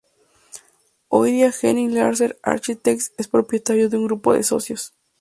Hoy día Henning Larsen Architects es propiedad de un grupo de socios.